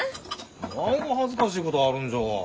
何が恥ずかしいことあるんじゃわい。